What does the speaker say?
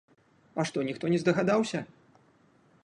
А што, ніхто не здагадаўся?